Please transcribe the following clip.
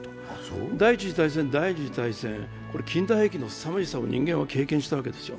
第一次大戦、第二次大戦、近代兵器のすさまじさを人間は経験したわけですよ。